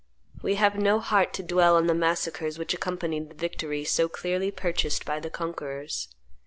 We have no heart to dwell on the massacres which accompanied the victory so clearly purchased by the conquerors.